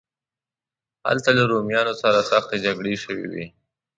هلته له رومیانو سره سختې جګړې شوې وې.